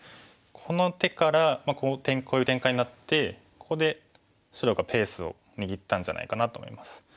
この手からこういう展開になってここで白がペースを握ったんじゃないかなと思います。